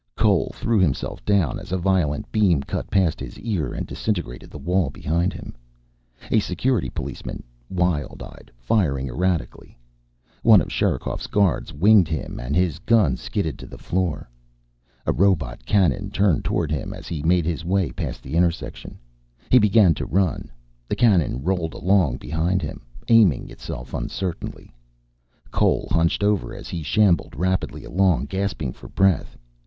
Cole threw himself down as a violet beam cut past his ear and disintegrated the wall behind him. A Security policeman, wild eyed, firing erratically. One of Sherikov's guards winged him and his gun skidded to the floor. A robot cannon turned toward him as he made his way past the intersection. He began to run. The cannon rolled along behind him, aiming itself uncertainly. Cole hunched over as he shambled rapidly along, gasping for breath.